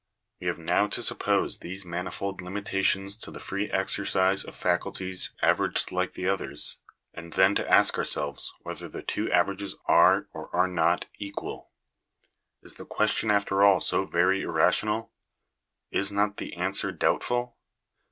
We have now to suppose these manifold limitations to the free exercise of faculties averaged like the others, and then to ask ourselves whether the two averages are, or are not, equal. Is the question after all so very irrational ? Is not the answer doubtful